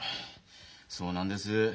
そうなんです。